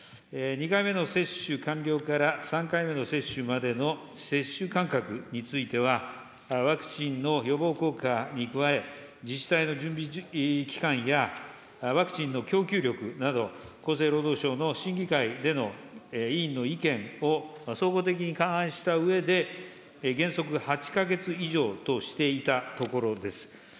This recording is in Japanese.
２回目の接種完了から３回目の接種までの接種間隔については、ワクチンの予防効果に加え、自治体の準備期間やワクチンの供給力など、厚生労働省の審議会での委員の意見を総合的に勘案したうえで、原則８か月以上としていたところです。